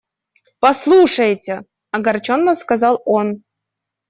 – Послушайте! – огорченно сказал он.